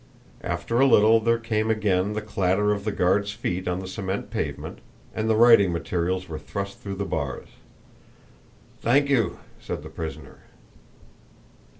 After a little there came again the clatter of the guard's feet on the cement pavement, and the writing materials were thrust through the bars. "Thank you," said the prisoner.